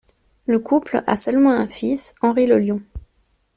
Le couple a seulement un fils, Henry le Lion.